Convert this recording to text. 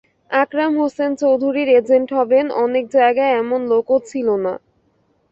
আকরাম হোসেন চৌধুরীর এজেন্ট হবেন, অনেক জায়গায় এমন লোকও ছিল না।